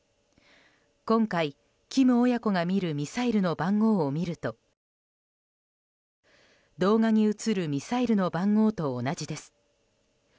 今回、金親子が見るミサイルの番号を見ると動画に映るミサイルの番号と同じです。